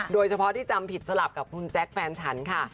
โดยเฉพาะที่จำผิดสลับกับคุณแจ๊คแฟนฉันค่ะ